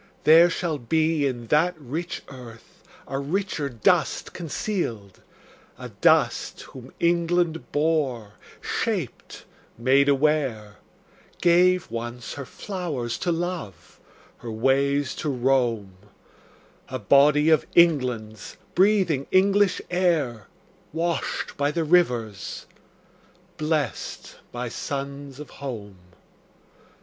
There shall be In that rich earth a richer dust concealed; A dust whom England bore, shaped, made aware, Gave, once, her flowers to love, her ways to roam, A body of England's, breathing English air, Washed by the rivers, blest by suns of home.